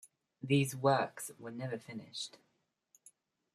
These works were never finished.